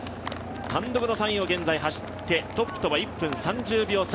単独の３位を現在走ってトップとは１分３０秒差。